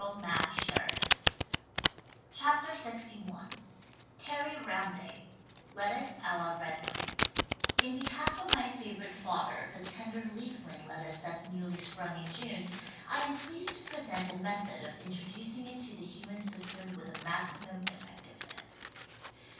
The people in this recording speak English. WRITTEN FOR MEN BY MEN LXI Terry Ramsay e LETTUCE (a la Red Creek) In behalf of my favorite fodder, the tender leafling lettuce that's newly sprung in June, I am pleased to pre sent a method of introducing it to the human system with a maximum effectiveness.